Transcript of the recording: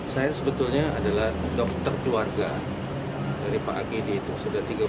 saya sebetulnya adalah dokter keluarga dari pak akiditio